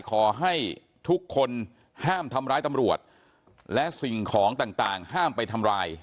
ขอให้ทุกคนห้ามทำร้ายตำรวจและสิ่งของต่างห้ามไปทำร้าย